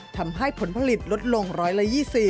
ทำให้ผลผลิตลดลงร้อยละ๒๐